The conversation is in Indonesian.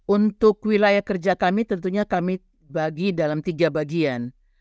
untuk wilayah kerja kami tentunya kami bagi dalam tiga bagian